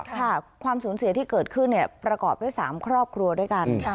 ความสูญเสียที่เกิดขึ้นประกอบด้วย๓ครอบครัวด้วยกัน